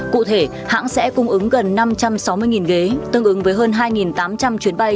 cụ thể hãng sẽ cung ứng gần năm trăm sáu mươi ghế tương ứng với hơn hai tám trăm linh chuyến bay